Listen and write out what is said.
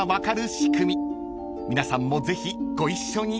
［皆さんもぜひご一緒に］